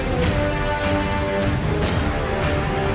สถานการณ์ข้อมูล